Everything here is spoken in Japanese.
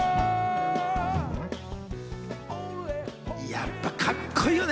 やっぱ、カッコいいよね！